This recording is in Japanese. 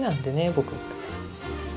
僕。